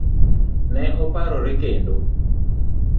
Ne oparore kendo.